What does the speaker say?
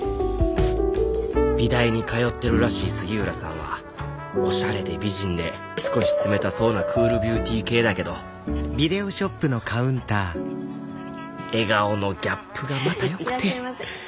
美大に通ってるらしい杉浦さんはおしゃれで美人で少し冷たそうなクールビューティー系だけど笑顔のギャップがまたよくていらっしゃいませ。